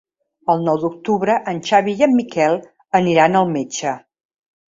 El nou d'octubre en Xavi i en Miquel aniran al metge.